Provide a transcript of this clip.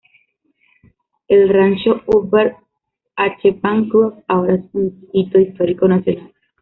El Rancho Hubert H. Bancroft ahora es un Hito Histórico Nacional.